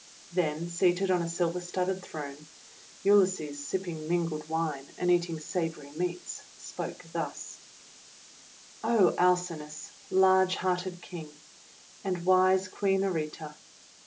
Then, seated on a silver studded throne, Ulysses, sipping mingled wine and eating savory meats, spoke thus : O Alcinous, large hearted King, and wise Queen Areta!